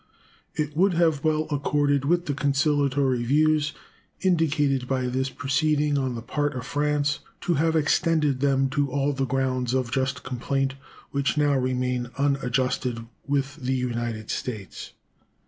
It would have well accorded with the conciliatory views indicated by this proceeding on the part of France to have extended them to all the grounds of just complaint which now remain unadjusted with the United States.